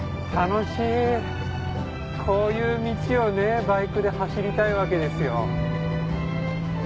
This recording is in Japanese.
こういう道をバイクで走りたいわけですよ。